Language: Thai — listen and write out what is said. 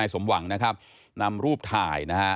สมหวังนะครับนำรูปถ่ายนะฮะ